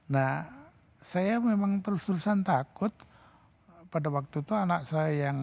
nah saya memang terus terusan takut pada waktu itu anak saya yang